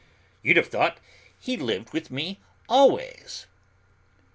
You'd have thought he'd lived with me always!"